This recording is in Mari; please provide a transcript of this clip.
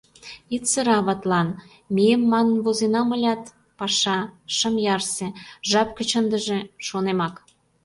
Ит сыре аватлан... мием манын возенам ылят... паша... шым ярсе... жап гыч ындыже... шонемак...